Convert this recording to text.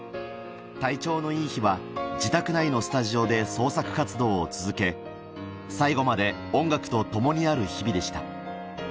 体調のいい日は、自宅内のスタジオで創作活動を続け、最後まで音楽とともにある日々でした。